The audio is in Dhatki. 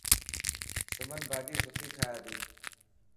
سمن ڀاڄي سٺي ٺاهي تي.